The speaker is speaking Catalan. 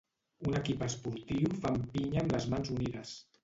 Un equip esportiu fan pinya amb les mans unides.